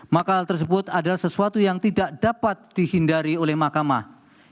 maka hal tersebut adalah sesuatu yang tidak dapat dihindari oleh mahkamah